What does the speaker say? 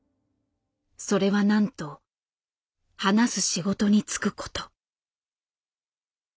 それはなんと「話す仕事に就く」こと。